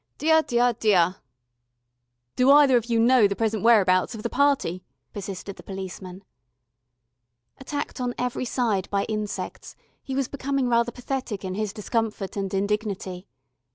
"Deah, deah, deah...." "Do either of you know the present whereabouts of the party?" persisted the policeman. Attacked on every side by insects, he was becoming rather pathetic in his discomfort and indignity.